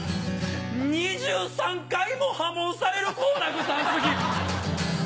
２３回も破門される好楽さん好き